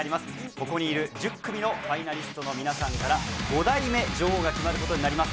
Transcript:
ここにいる１０組のファイナリストの皆さんから５代目女王が決まることになります。